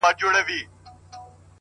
• پښتنو انجونو کي حوري پيدا کيږي،